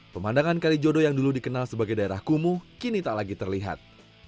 pemandangan kalijodo yang dulu dikenal sebagai daerah kumuh kini tak lagi terlihat